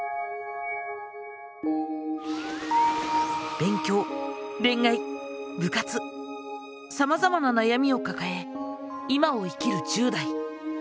勉強恋愛部活さまざまな悩みをかかえ今を生きる１０代。